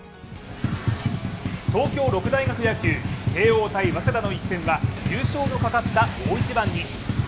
東京六大学野球慶応×早稲田の一戦は優勝の懸かった大一番に。